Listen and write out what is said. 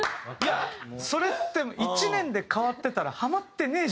それって１年で変わってたらハマってねえじゃんって思って。